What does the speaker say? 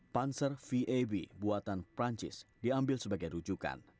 panzer vab buatan prancis diambil sebagai rujukan